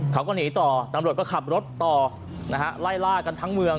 เขาก็หนีต่อตำรวจก็ขับรถต่อนะฮะไล่ล่ากันทั้งเมือง